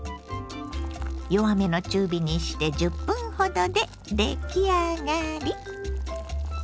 弱めの中火にして１０分ほどで出来上がり。